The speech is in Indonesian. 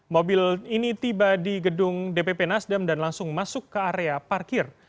mobil ini tiba di gedung dpp nasdem dan langsung masuk ke area parkir